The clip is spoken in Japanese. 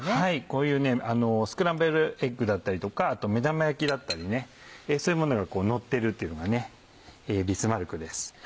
こういうスクランブルエッグだったりとか目玉焼きだったりそういうものがのってるっていうのがビスマルクです。